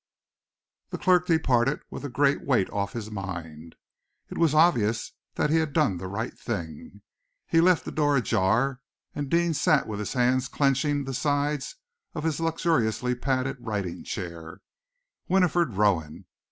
The clerk departed with a great weight off his mind. It was obvious that he had done the right thing. He left the door ajar, and Deane sat with his hands clenching the sides of his luxuriously padded writing chair. Winifred Rowan!